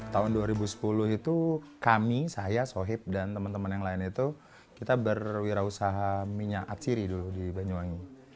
tahun dua ribu sepuluh itu kami saya sohib dan teman teman yang lain itu kita berwirausaha minyak atsiri dulu di banyuwangi